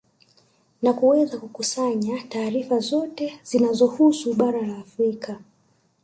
Na kuweza kukusanaya taarifa zote zinazohusu bara la Afrika